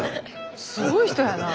すごい人やなぁ。